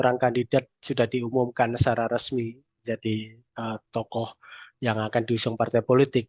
sekarang kandidat sudah diumumkan secara resmi jadi tokoh yang akan diusung partai politik